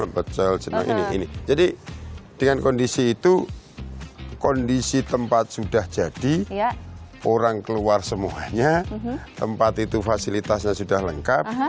tempat ini jadi dengan kondisi itu kondisi tempat sudah jadi orang keluar semuanya tempat itu fasilitasnya sudah lengkap